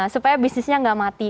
supaya bisnisnya gak mati